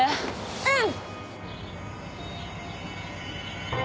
うん！